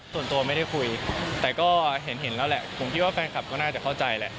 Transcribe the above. ส่วนตัวไม่ได้คุยแต่ก็เห็นแล้วแหละผมคิดว่าแฟนคลับก็น่าจะเข้าใจแหละ